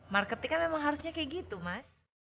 marketing kan memang harusnya kayak gitu mas